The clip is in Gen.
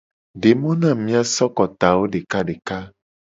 De mo na mu mia so kotawo deka deka.